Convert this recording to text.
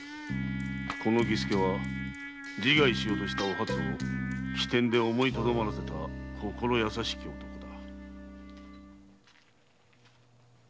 この儀助は自害しようとしたお初を機転で思いとどまらせた心優しき男だ。